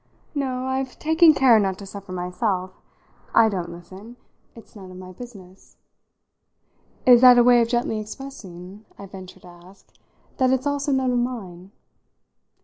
No, I've taken care not to suffer myself. I don't listen. It's none of my business." "Is that a way of gently expressing," I ventured to ask, "that it's also none of mine?"